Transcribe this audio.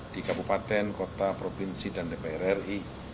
di kabupaten kota provinsi dan dpr ri